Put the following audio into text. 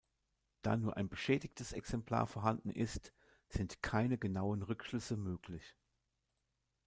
Da nur ein beschädigtes Exemplar vorhanden ist, sind keine genauen Rückschlüsse möglich.